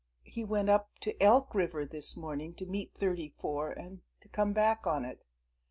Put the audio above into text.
He went up to Elk River this morning to meet Thirty four and come back on it.